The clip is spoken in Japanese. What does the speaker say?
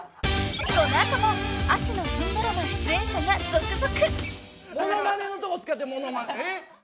［この後も秋の新ドラマ出演者が続々］